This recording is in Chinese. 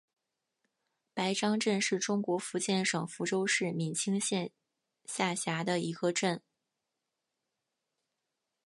白樟镇是中国福建省福州市闽清县下辖的一个镇。